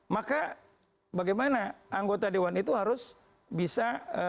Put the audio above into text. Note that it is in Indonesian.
maka bagaimana anggota dewan itu harus bisa